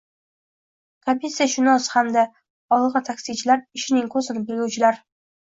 komissiyashunos hamda olg‘ir taksichilar «ishning ko‘zini biluvchi»lar!